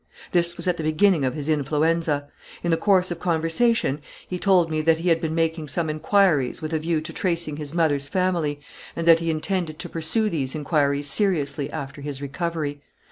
This was at the beginning of his influenza. In the course of conversation he told me that he had been making some inquiries with a view to tracing his mother's family, and that he intended to pursue these inquiries seriously after his recovery.